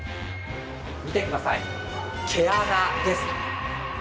見てください、毛穴です。